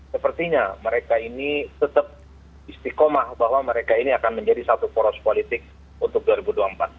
sepertinya mereka ini tetap istiqomah bahwa mereka ini akan menjadi satu poros politik untuk dua ribu dua puluh empat